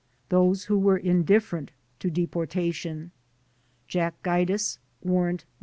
C. Those Who Were Indifferent to Deportation Jack Gaidis (Warrant No.